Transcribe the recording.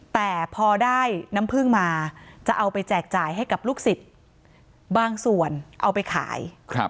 แต่พอได้น้ำพึ่งมาจะเอาไปแจกจ่ายให้กับลูกศิษย์บางส่วนเอาไปขาย